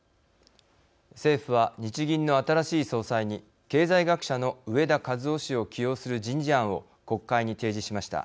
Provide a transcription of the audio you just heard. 政府は、日銀の新しい総裁に経済学者の植田和男氏を起用する人事案を国会に提示しました。